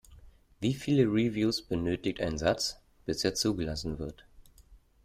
Wie viele Reviews benötigt ein Satz, bis er zugelassen wird?